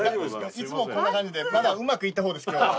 いつもこんな感じでまだうまくいった方です今日は。